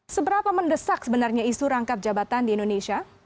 seberapa mendesak sebenarnya isu rangkap jabatan di indonesia